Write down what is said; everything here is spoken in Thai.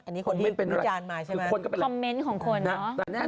อันนี้คนที่พิจารณ์มาใช่ไหมคอมเม้นต์ของคนเนอะ